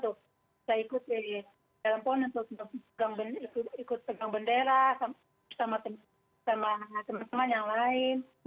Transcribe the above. saya ikut di dalam pon untuk pegang ikut pegang bendera sama teman teman yang lain